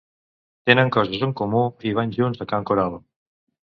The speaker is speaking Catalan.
Tenen coses en comú i van junts a cant coral.